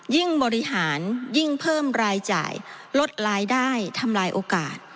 บริหารยิ่งเพิ่มรายจ่ายลดรายได้ทำลายโอกาส